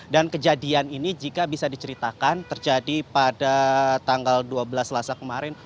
dan kejadian ini jika bisa diceritakan terjadi pada tanggal dua belas selasa kemarin